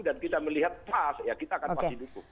dan kita melihat pas ya kita akan pasti buku